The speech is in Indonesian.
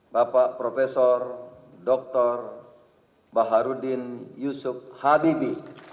bapak profesor dr baharudin yusuf habibi